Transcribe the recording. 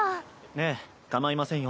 ええかまいませんよ。